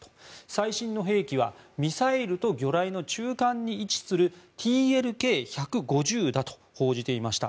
最新の兵器はミサイルと魚雷の中間に位置するＴＬＫ１５０だと報じていました。